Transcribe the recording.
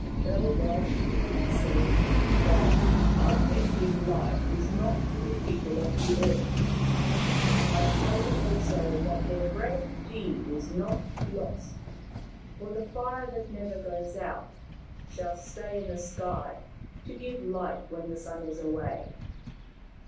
" Tell them," he said, " that unending life is not for the people of the earth. But tell them also that their brave deed is not lost, for the Fire that never goes out shall stay in the sky to give light when the sun is away.